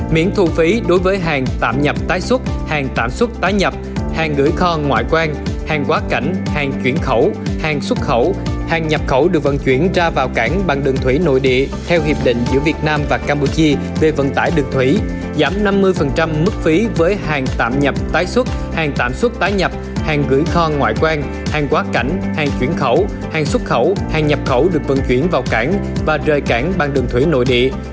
miễn thu phí đối với hàng tạm nhập tái xuất hàng tạm xuất tái nhập hàng gửi kho ngoại quan hàng quá cảnh hàng chuyển khẩu hàng xuất khẩu hàng nhập khẩu được vận chuyển ra vào cảng bằng đường thủy nội địa theo hiệp định giữa việt nam và campuchia về vận tải đường thủy giảm năm mươi mức phí với hàng tạm nhập tái xuất hàng tạm xuất tái nhập hàng gửi kho ngoại quan hàng quá cảnh hàng chuyển khẩu hàng xuất khẩu hàng nhập khẩu được vận chuyển vào cảng và rời cảng bằng đường thủy nội địa